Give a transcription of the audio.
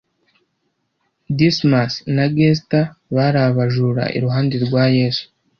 Dismus na Gesta bari Abajura iruhande rwa Yesu